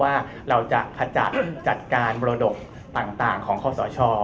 ว่าเราจะจัดการบรวดดุขต่างของข้อสอช่อ